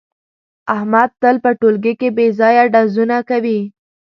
احمد تل په ټولگي کې بې ځایه ډزونه کوي.